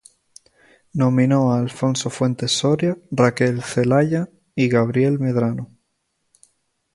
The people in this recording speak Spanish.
Nominó a Alfonso Fuentes Soria, Raquel Zelaya y Gabriel Medrano.